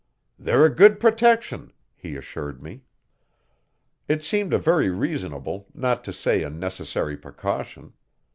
'They're a good protection,' he assured me. It seemed a very reasonable, not to say a necessary precaution.